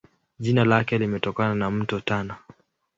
Jina lake limetokana na Mto Tana.